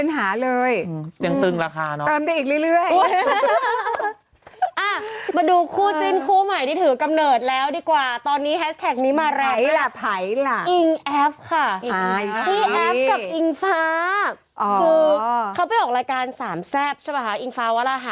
ยังตึงราคาเนอะ